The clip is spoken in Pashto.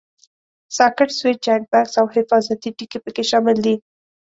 ساکټ، سویچ، جاینټ بکس او حفاظتي ټکي پکې شامل دي.